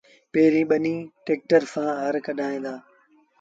پيريݩ ٻنيٚ ٽيڪٽر سآݩ هر ڪڍبآ اهيݩ